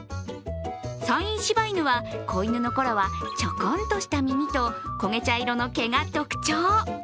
山陰柴犬は子犬のころはちょこんとした耳と焦げ茶色の毛が特徴。